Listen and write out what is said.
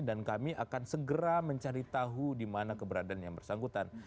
dan kami akan segera mencari tahu dimana keberadaan yang bersangkutan